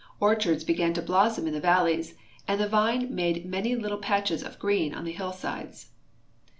Orchards began to blossom in the valleys, and the vine made man}' little patches CALIFORNIA 321 of green on the hillsides.